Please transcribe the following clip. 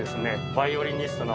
バイオリニストの